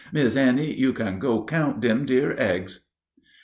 Mis' Annie, you can go count dem dere eggs."